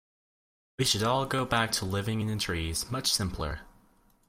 We should all go back to living in the trees, much simpler.